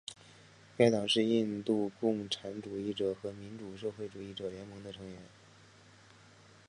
该党是印度共产主义者和民主社会主义者联盟的成员。